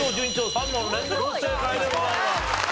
３問連続正解でございます。